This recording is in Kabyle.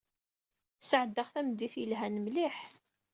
Sɛeddaɣ tameddit yelhan mliḥ.